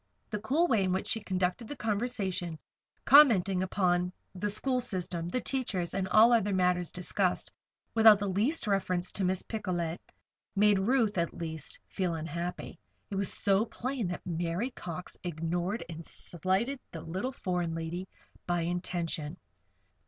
The cool way in which she conducted the conversation, commenting upon the school system, the teachers, and all other matters discussed, without the least reference to Miss Picolet, made Ruth, at least, feel unhappy. It was so plain that Mary Cox ignored and slighted the little foreign lady by intention.